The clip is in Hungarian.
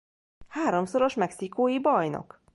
Háromszoros mexikói bajnok.